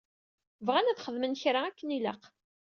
Bɣan ad xedmen kra akken ilaq.